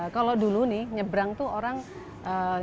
kalau dulu nih nyebrang tuh orang nyebrang kemudian kembali ke terminal